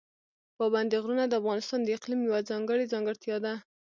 پابندي غرونه د افغانستان د اقلیم یوه ځانګړې ځانګړتیا ده.